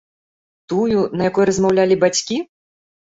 Тую, на якой размаўлялі бацькі?